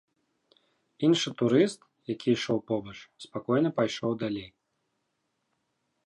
Іншы турыст, які ішоў побач, спакойна пайшоў далей.